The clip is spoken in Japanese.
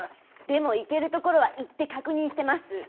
でも行けるところは行って確認してます。